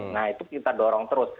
nah itu kita dorong terus